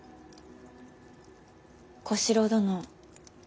小四郎殿。